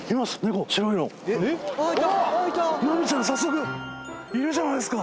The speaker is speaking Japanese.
ナミちゃん早速いるじゃないっすか！